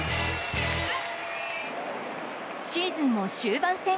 シーズンも終盤戦。